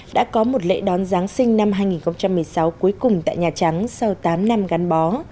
đã có một lễ đón giáng sinh năm hai nghìn một mươi sáu cuối cùng tại nhà trắng sau tám năm gắn bó